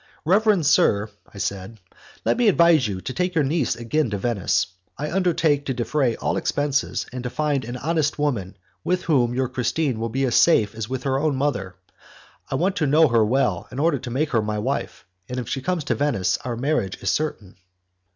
"Reverend sir," I said, "let me advise you to take your niece again to Venice. I undertake to defray all expenses, and to find an honest woman with whom your Christine will be as safe as with her own mother. I want to know her well in order to make her my wife, and if she comes to Venice our marriage is certain."